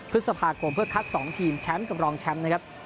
พฤษภาคมเพื่อคัด๒ทีมแชมป์กับรองแชมป์นะครับ